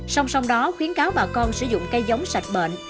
xong xong đó khuyến cáo bà con sử dụng cây giống sạch bệnh